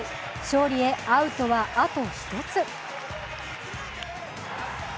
勝利へアウトはあと１つ。